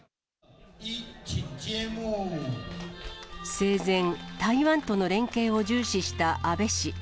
生前、台湾との連携を重視した安倍氏。